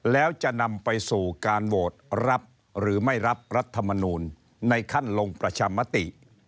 แล้วจะนำไปสู่การโหวตรับหรือไม่รับรัฐมนูลในขั้นลงประชามติ